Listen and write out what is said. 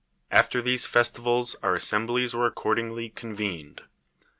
After these festivals our assemblies were ac cordingly convened.